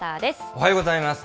おはようございます。